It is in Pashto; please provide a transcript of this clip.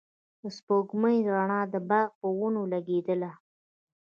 د سپوږمۍ رڼا د باغ په ونو لګېدله.